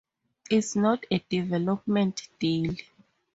It's not a development deal.